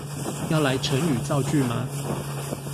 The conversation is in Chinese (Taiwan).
要來成語造句嗎